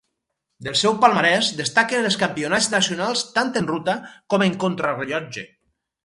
Del seu palmarès destaquen els campionats nacionals tant en ruta com en contrarellotge.